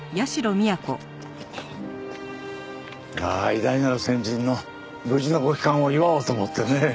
偉大なる先人の無事のご帰還を祝おうと思ってね。